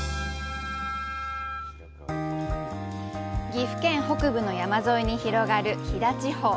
岐阜県北部の山沿いに広がる飛騨地方。